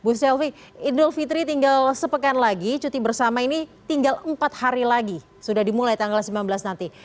bu shelfie idul fitri tinggal sepekan lagi cuti bersama ini tinggal empat hari lagi sudah dimulai tanggal sembilan belas nanti